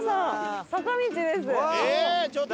ええーちょっと！